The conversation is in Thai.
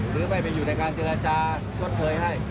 หรือไม่ไปอยู่ในการเจรจาชดเชยให้